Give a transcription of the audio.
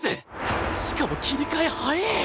しかも切り替え速え！